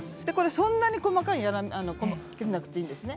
そんなに細かく切らなくていいんですね。